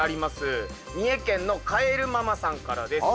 三重県のカエルママさんからです。